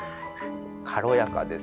軽やかですね。